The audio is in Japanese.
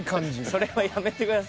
それはやめてください。